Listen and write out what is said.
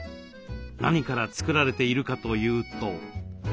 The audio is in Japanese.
何から作られているかというと。